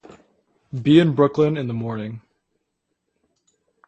Be in Brooklyn in the morning.